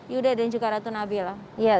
yuda dan juga ratu nabila